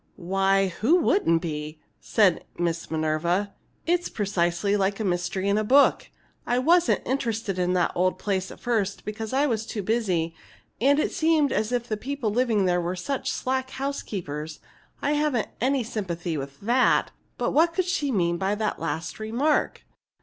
"Why, who would not be?" said Miss Minerva. "It's precisely like a mystery in a book. I wasn't interested in the old place at first, because I was too busy and it seemed as if the people living there were such slack housekeepers. I haven't any sympathy with that. But what could she mean by that last remark?